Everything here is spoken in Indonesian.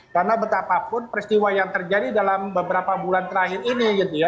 karena betapapun peristiwa yang terjadi dalam beberapa bulan terakhir ini